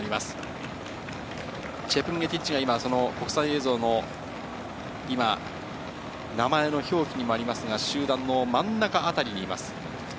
チェプンゲティッチが国際映像の名前の表記にもありますが、集団の真ん中辺りにいます。